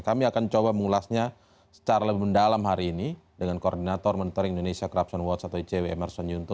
kami akan coba mengulasnya secara lebih mendalam hari ini dengan koordinator monitoring indonesia corruption watch atau icw emerson yunto